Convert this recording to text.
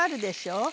うん。